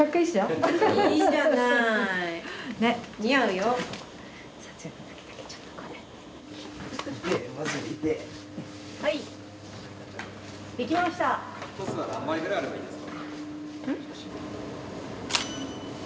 何枚ぐらいあればいいですか？